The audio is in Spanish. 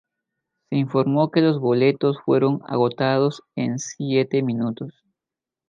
Se informó que los boletos fueron agotados en siete minutos.